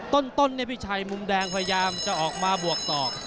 ต้นพี่ชัยมุมแดงพยายามจะออกมาบวกตอก